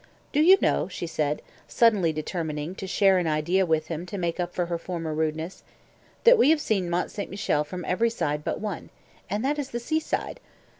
"Do you know," she said, suddenly determining to share an idea with him to make up for her former rudeness, "we have seen Mont St. Michel from every side but one and that is the sea side.